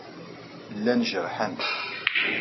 Llan jerḥen.